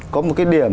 có một cái điểm